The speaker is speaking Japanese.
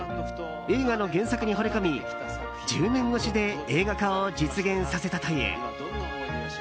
映画の原作にほれ込み１０年越しで映画化を実現させたという。